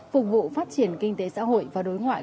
phục vụ phát triển kinh tế xã hội và đối ngoại